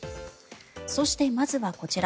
そして、まずはこちら。